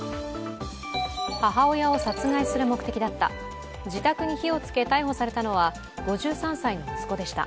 母親を殺害する目的だった自宅に火をつけ逮捕されたのは５３歳の息子でした。